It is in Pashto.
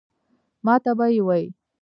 ماته به ئې وې ـ